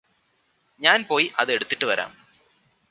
ഞാന് പോയി അത് എടുത്തിട്ട് വരാം